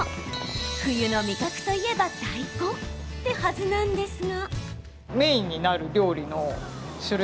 冬の味覚といえば大根！って、はずなんですが。